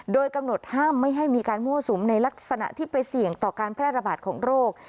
โดยกำหนดห้ามไม่ให้มีการมั่วสุมในลักษณะที่ไปเสี่ยงต่อการแพร่ระบาดของโรค